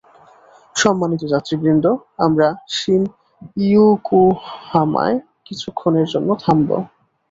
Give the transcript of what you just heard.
সম্মানিত যাত্রীবৃন্দঃ আমরা শিন-ইয়োকোহামায় কিছুক্ষণের জন্য থামবো।